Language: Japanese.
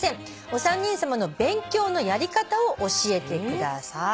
「お三人さまの勉強のやり方を教えてください」